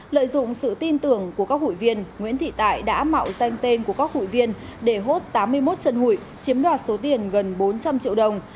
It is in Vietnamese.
lợi dụng sự tin tưởng của các hụi viên nguyễn thị tại đã mạo danh tên của các hụi viên để hốt tám mươi một chân hụi chiếm đoạt số tiền gần bốn trăm linh triệu đồng